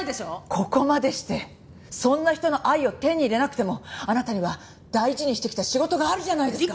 ここまでしてそんな人の愛を手に入れなくてもあなたには大事にしてきた仕事があるじゃないですか。